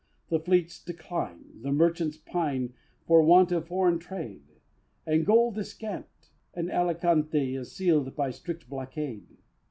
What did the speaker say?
The fleets decline, the merchants pine For want of foreign trade; And gold is scant; and Alicante Is seal'd by strict blockade!